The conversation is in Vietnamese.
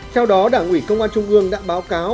theo đó đảng ủy công an trung ương đã báo cáo